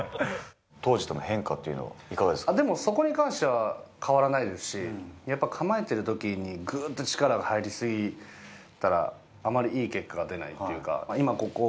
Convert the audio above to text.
当時との変化っていうの、でも、そこに関しては、変わらないですし、やっぱり構えてるときにぐっと力が入り過ぎたら、あまりいい結果が出ないというか。